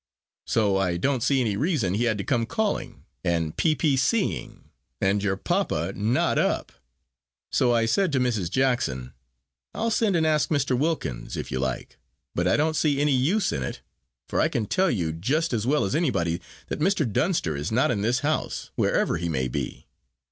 so I don't see any reason he had to come calling, and P. P. C. ing, and your papa not up. So I said to Mrs. Jackson, 'I'll send and ask Mr. Wilkins, if you like, but I don't see any use in it, for I can tell you just as well as anybody, that Mr. Dunster is not in this house, wherever he may be.'